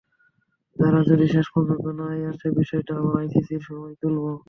তারা যদি শেষ পর্যন্ত না-ই আসে, বিষয়টা আমরা আইসিসির সভায় তুলব।